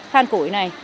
than củi này